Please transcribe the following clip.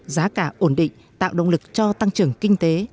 giá cả ổn định tạo động lực cho tăng trưởng kinh tế